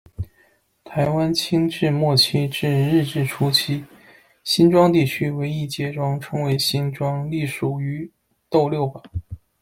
台湾清治末期至日治初期，新庄地区为一街庄，称为「新庄」，隶属于斗六堡。